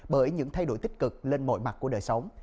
bởi những thay đổi tích cực lên mọi mặt của đời sống